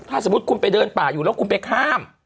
ถ้าสมมุติคุณไปเดินป่าอยู่แล้วคุณไปข้าม